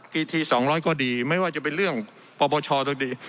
กีฏีสองร้อยก็ดีไม่ว่าจะเป็นเรื่องปรบชตอนนี้